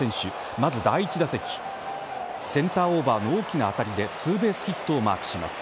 まず第１打席センターオーバーの大きな当たりでツーベースヒットをマークします。